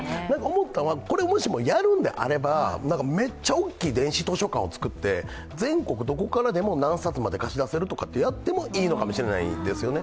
思ったのは、これをもしもやるのであればめっちゃ大きい電子図書館を作って全国どこからでも何冊まで貸し出せるとかやってもいいのかもしれないですよね。